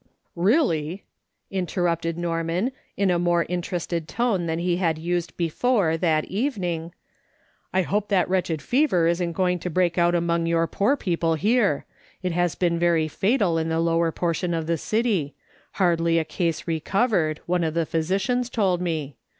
" Really," interrupted Norman, in a more interested tone than he had used before that evening, " I hope that wretched fever isn't going to break out among your poor people here ; it has been very fatal in the lower portion of the city ; hardly a case recovered, one of the physicians told me.